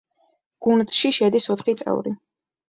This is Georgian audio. გუნდში შედის ოთხი წევრი.